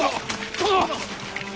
殿！